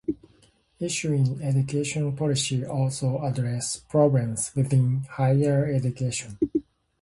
Issues in education policy also address problems within higher education.